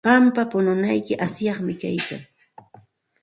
Qampa pununayki asyaqmi kaykan.